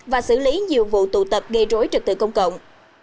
và xử lý nhiều vụ tụ tập gây rối trực tự công cộng